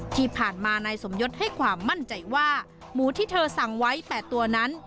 ที่ผ่านมานายสมยศให้ความมั่นใจว่าหมูที่เธอสั่งไว้๘ตัวนั้น